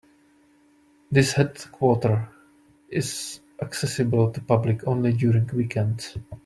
This headquarter is accessible to public only during weekends.